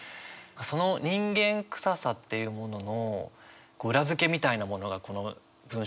その人間臭さっていうものの裏付けみたいなものがこの文章から感じて。